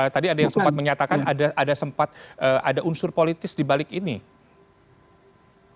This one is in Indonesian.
tadi ada yang sempat menyatakan ada sempat ada unsur politis di balik ini